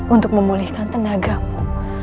untuk memulihkan tenagamu